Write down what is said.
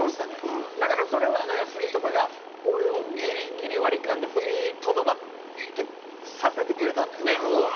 うんだからそれはスギ。とかが俺をギリギリ割り勘で踏み止まってさせてくれたんだよね